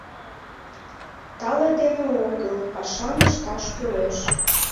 — Тале дене огыл, пашам ышташ кӱлеш.